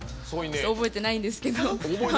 覚えてないんですけど。